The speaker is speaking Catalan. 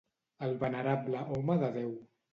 El venerable home de Déu.